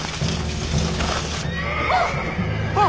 あっ！